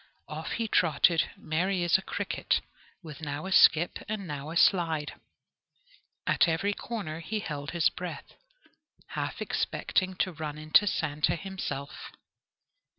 Off he trotted, merry as a cricket, with now a skip, and now a slide. At every corner he held his breath, half expecting to run into Santa himself.